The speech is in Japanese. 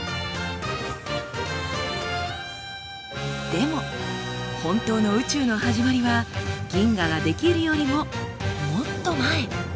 でも本当の宇宙の始まりは銀河が出来るよりももっと前。